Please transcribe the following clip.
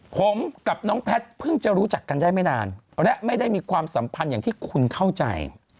ผมกับน้องแพทย์เพิ่งจะรู้จักกันได้ไม่นานและไม่ได้มีความสัมพันธ์อย่างที่คุณเข้าใจ